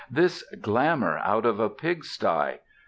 This glamor out of a pigsty